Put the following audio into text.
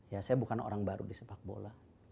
ya saya bukan orang baru di sepak bola